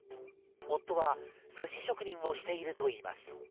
夫は寿司職人をしているといいます。